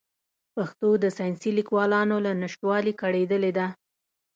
پښتو د ساینسي لیکوالانو له نشتوالي کړېدلې ده.